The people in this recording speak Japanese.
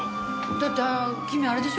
だって君あれでしょ？